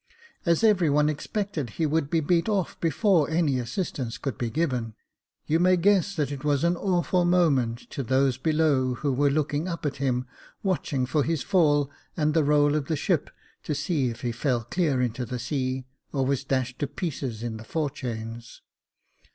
As every one expected he would be beat off before any assistance could be given, you may guess that it was an awful moment to those below who were looking up at him, watching for his fall and the roll of the ship, to see if he fell clear into the sea, or was dashed to pieces in the fore chains.